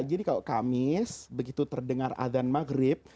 jadi kalau kamis begitu terdengar adhan maghrib